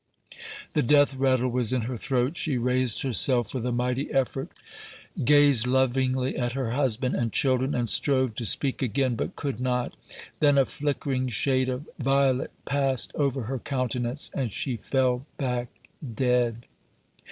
The death rattle was in her throat; she raised herself with a mighty effort, gazed lovingly at her husband and children, and strove to speak again, but could not; then a flickering shade of violet passed over her countenance, and she fell back dead.